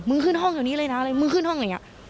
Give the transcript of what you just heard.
มึงขึ้นห้องตรงนี้เลยนะมึงขึ้นห้องอะไรอย่างเงี้ย